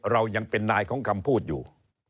เรายังเป็นนายของคำพูดอยู่